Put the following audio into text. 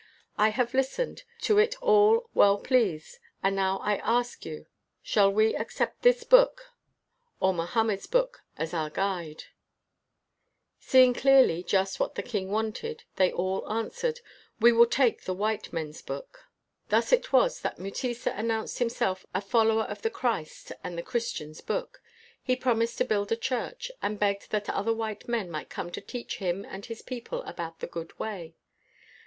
I have listened, to it all well pleased, and now I ask you, shall we accept this book or Mo hammed's book as our guide?" 18 INTERVIEW WITH A BLACK KING Seeing clearly just what the king wanted, they all answered, "We will take the white men's book." Thus it was that Mutesa announced him self a follower of the Christ and the Chris tian's Book. He promised to build a church, and begged that other white men might come to teach him and his people about the good way.